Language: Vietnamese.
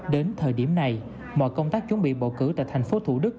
đến thời điểm này mọi công tác chuẩn bị bầu cử tại thành phố thủ đức